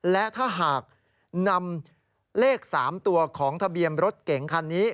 และถ้าหากนำเลข๓ตัวของทะเบียนรถเก๋งคันนี้